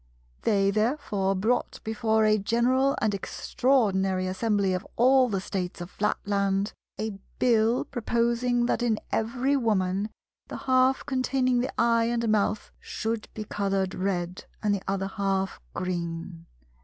They therefore brought before a general and extraordinary Assembly of all the States of Flatland a Bill proposing that in every Woman the half containing the eye and mouth should be coloured red, and the other half green.